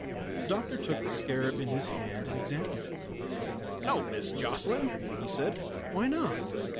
The doctor took the scarab in his hand and examined it. "No, Miss Jocelyn," he said. "Why not?